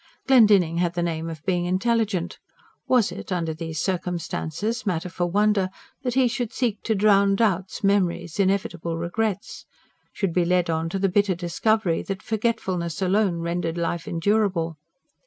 Glendinning had the name of being intelligent: was it, under these circumstances, matter for wonder that he should seek to drown doubts, memories, inevitable regrets; should be led on to the bitter discovery that forgetfulness alone rendered life endurable?